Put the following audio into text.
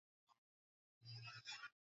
wenye namba za mraba elfu thelathini na moja